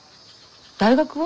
大学は？